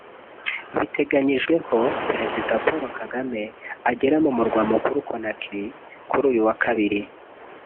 Biteganyijwe ko Perezida Paul Kagame agera mu murwa mukuru Conakry kuri uyu wa Kabiri